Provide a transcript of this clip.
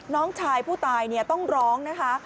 น้องชายผู้ตายต้องร้องนะคะ